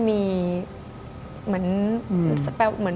ดิงกระพวน